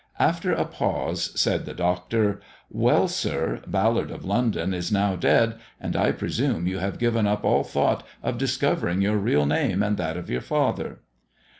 After a pause said the doctor :" Well, sir ! Ballard of London is now dead, and I presume you have given up all thought of discovering your real name and that of your father."